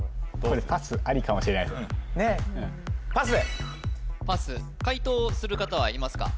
ねえパス解答する方はいますか？